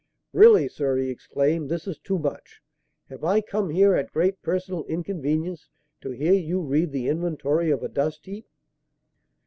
"Really, sir!" he exclaimed, "this is too much! Have I come here, at great personal inconvenience, to hear you read the inventory of a dust heap?"